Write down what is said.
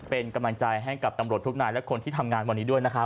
เป็นกำลังใจให้กับตำรวจทุกนายและคนที่ทำงานวันนี้ด้วยนะครับ